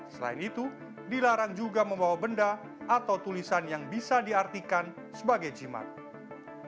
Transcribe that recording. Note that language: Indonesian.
selain itu dilarang juga membawa benda atau tulisan yang bisa diartikan sebagai jimat